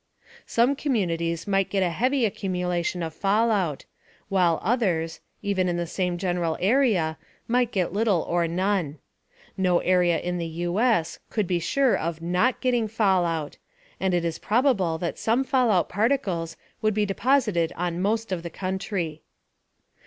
Some communities might get a heavy accumulation of fallout, while others even in the same general area might get little or none. No area in the U.S. could be sure of not getting fallout, and it is probable that some fallout particles would be deposited on most of the country.